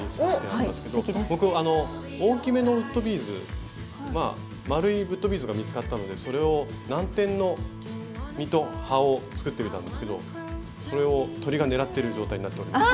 僕あの大きめのウッドビーズ丸いウッドビーズが見つかったのでそれをナンテンの実と葉を作ってみたんですけどそれを鳥が狙ってる状態になっております。